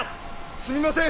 すみません